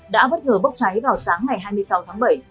đã bất ngờ bốc cháy vào sáng ngày hai mươi sáu tháng bảy